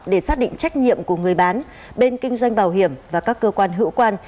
để xác định trách nhiệm của người bán